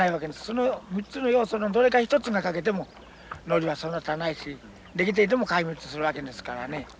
その３つの要素のどれか一つが欠けてもノリは育たないし出来ていても壊滅するわけですからね。